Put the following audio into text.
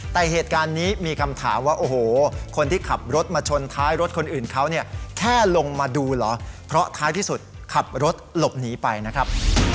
แต่เหตุการณ์นี้มีคำถามว่าโอ้โหคนที่ขับรถมาชนท้ายรถคนอื่นเขาเนี่ยแค่ลงมาดูเหรอเพราะท้ายที่สุดขับรถหลบหนีไปนะครับ